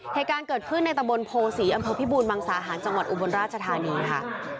เหตุการณ์เกิดขึ้นในตะบนโพศีอำเภอพิบูรมังสาหารจังหวัดอุบลราชธานีค่ะ